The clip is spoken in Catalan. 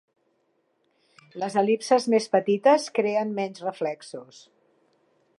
Les el·lipses més petites creen menys reflexos.